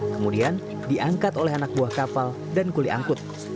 kemudian diangkat oleh anak buah kapal dan kuli angkut